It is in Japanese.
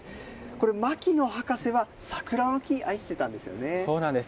これ、牧野博士は桜の木、愛してそうなんです。